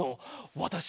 わたし